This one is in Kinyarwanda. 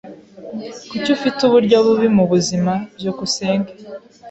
Kuki ufite uburyo bubi mubuzima? byukusenge